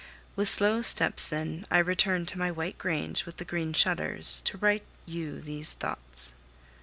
With slow steps, then, I returned to my white grange, with the green shutters, to write you these thoughts.